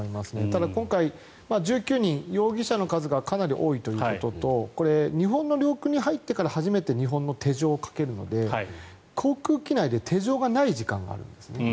ただ、今回、１９人容疑者の数がかなり多いということと日本の領空に入ってから初めて日本の手錠をかけるので航空機内で手錠がない時間があるんですね。